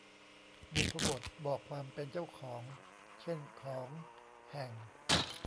บุพบทบอกความเป็นเจ้าของ เช่น ของ แห่ง